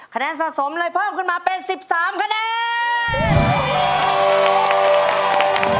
คะแนนสะสมเลยเพิ่มขึ้นมาเป็น๑๓คะแนน